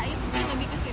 itu sih lebih kesipu